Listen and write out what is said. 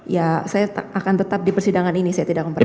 ya saya akan tetap di persidangan ini saya tidak memperhati